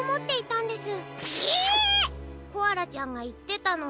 コアラちゃんがいってたの。